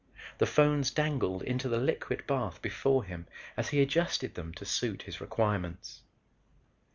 The phones dangled into the liquid bath before him as he adjusted them to suit his requirements.